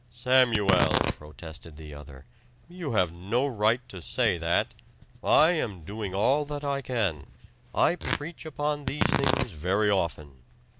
"Samuel," protested the other, "you have no right to say that! I am doing all that I can. I preach upon these things very often."